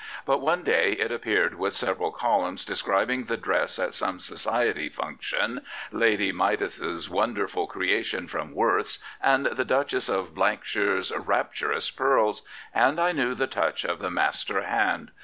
But one day it appeared with several columns describing the dress at some society ' function,' Lady Midas' wonderful creation from Worth's, and the Duchess of Blankshire's rapturous pearls, and I knew the touch of the master hand.